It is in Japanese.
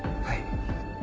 はい。